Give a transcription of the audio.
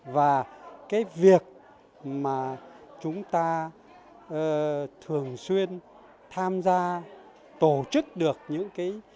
và cái việc mà chúng ta thường xuyên tham gia tổ chức được những cái